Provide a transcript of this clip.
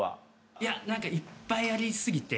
いや何かいっぱいあり過ぎて。